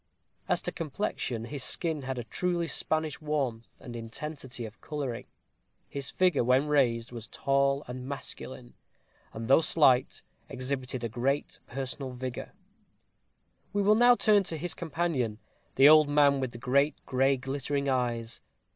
As to complexion, his skin had a truly Spanish warmth and intensity of coloring. His figure, when raised, was tall and masculine, and though slight, exhibited great personal vigor. We will now turn to his companion, the old man with the great gray glittering eyes.